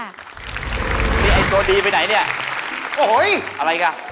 นี่ไอโซดีไปไหนนี่อะไรกันครับโอ้โฮ